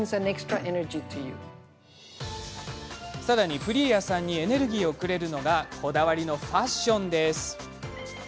さらに彼女にエネルギーをくれるのがこだわりのファッションです。